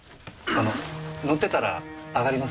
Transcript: あの乗ってたら上がりませんけど。